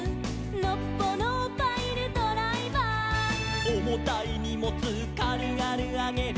「のっぽのパイルドライバー」「おもたいにもつかるがるあげる」